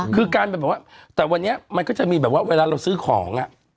คือการแบบว่าแต่วันนี้มันก็จะมีแบบว่าเวลาเราซื้อของ